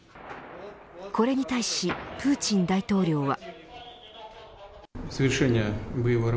これに対しプーチン大統領は。